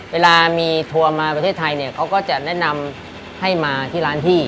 เวลามีทัวร์มาประเทศไทยเนี่ยเขาก็จะแนะนำให้มาที่ร้านพี่